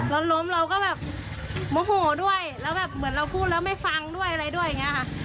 รถล้มเราก็แบบโมโหด้วยแล้วแบบเหมือนเราพูดแล้วไม่ฟังด้วยอะไรด้วยอย่างนี้ค่ะ